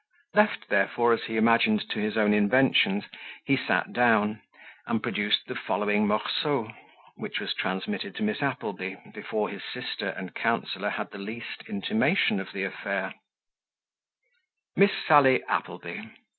Left, therefore, as he imagined, to his own inventions, he sat down, and produced the following morceau, which was transmitted to Miss Appleby, before his sister and counsellor had the least intimation of the affair: "Miss Sally Appleby.